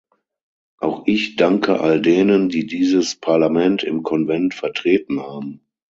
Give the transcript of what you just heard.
Auch ich danke all denen, die dieses Parlament im Konvent vertreten haben.